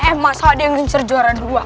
eh masa ada yang gencar juara dua